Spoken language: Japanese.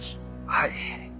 はい。